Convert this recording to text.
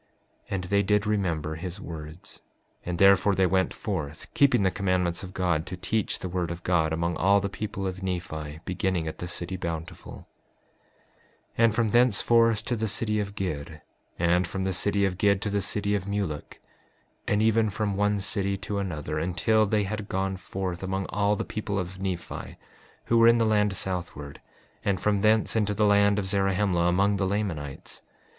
5:14 And they did remember his words; and therefore they went forth, keeping the commandments of God, to teach the word of God among all the people of Nephi, beginning at the city Bountiful; 5:15 And from thenceforth to the city of Gid; and from the city of Gid to the city of Mulek; 5:16 And even from one city to another, until they had gone forth among all the people of Nephi who were in the land southward; and from thence into the land of Zarahemla, among the Lamanites.